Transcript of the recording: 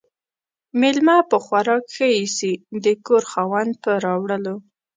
ميلمه په خوراک ِښه ايسي ، د کور خاوند ، په راوړلو.